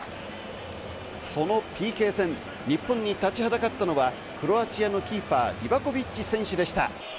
そのＰＫ戦、日本に立ちはだかったのはクロアチアのキーパー、リバコビッチ選手でした。